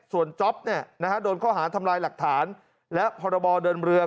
ส่วนจ๊อปโดนข้อหาทำลายหลักฐานและพรบเดินเรือ